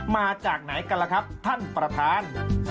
มาจากไหนกันล่ะครับท่านประธาน